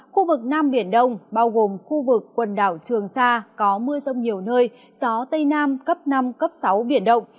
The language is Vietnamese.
khu vực nam biển đông bao gồm khu vực quần đảo trường sa có mưa rông nhiều nơi gió tây nam cấp năm cấp sáu biển động